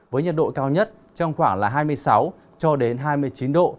với nhiệt độ cao nhất trong khoảng là hai mươi sáu hai mươi chín độ